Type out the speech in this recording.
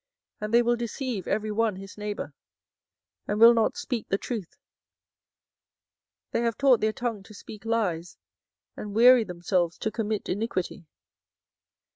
24:009:005 And they will deceive every one his neighbour, and will not speak the truth: they have taught their tongue to speak lies, and weary themselves to commit iniquity.